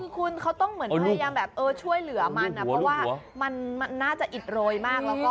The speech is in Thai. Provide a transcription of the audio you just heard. คือคุณเขาต้องเหมือนพยายามแบบช่วยเหลือมันเพราะว่ามันน่าจะอิดโรยมาก